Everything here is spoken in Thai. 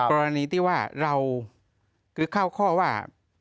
กรณีที่ว่าเราคือเข้าข้อว่า